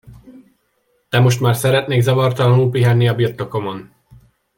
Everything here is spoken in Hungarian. De most már szeretnék zavartalanul pihenni a birtokomon!